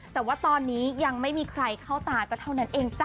แต่ว่าตอนนี้ยังไม่มีใครเข้าตาก็เท่านั้นเองจ้ะ